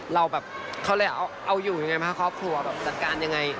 เราแบบเขาอยู่ยังไงนะคะครอบครัวแบบจัดการอย่างไร